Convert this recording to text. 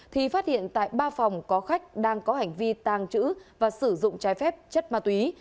thì phát hiện tại ba phòng có khách đang có hành vi tàng trữ và sử dụng trái phép chất ma túy